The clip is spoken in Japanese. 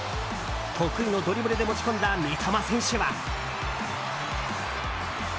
得意のドリブルで持ち込んだ三笘選手は。